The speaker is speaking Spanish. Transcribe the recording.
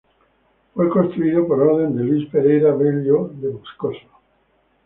Fue construido por orden de Luis Pereira Velho de Moscoso.